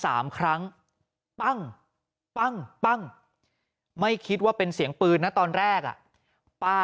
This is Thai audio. สามครั้งปั้งปั้งปั้งไม่คิดว่าเป็นเสียงปืนนะตอนแรกอ่ะป้า